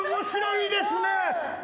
いいですね。